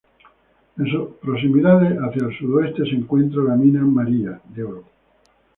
En sus proximidades, hacia el sudoeste, se encuentra la mina María, de oro.